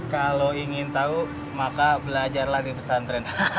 kalo ingin tau maka belajarlah di pesantren